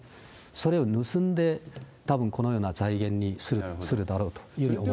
それを盗んで、たぶん、このような財源にするだろうというふうに思われます。